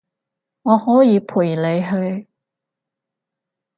我可以陪你去